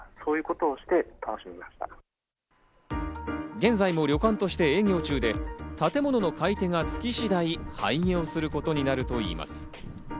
現在も旅館として営業中で、建物の買い手がつき次第、廃業することになるといいます。